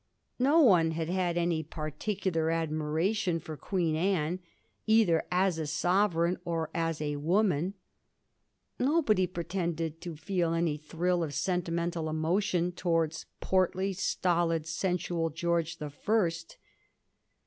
No one had had any particular admiration for Queen Anne, either as a sovereign or as a woman ; nobody pretended to feel any thrill of sentimental emotion towards portly, stolid, sensual George the First.